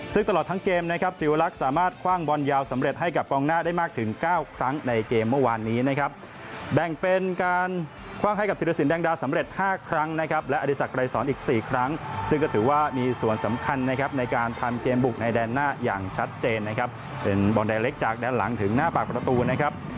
ซึ่งตลอดทั้งเกมนะครับสิวลักษณ์สามารถคว้างบอลยาวสำเร็จให้กับกองหน้าได้มากถึง๙ครั้งในเกมเมื่อวานนี้นะครับ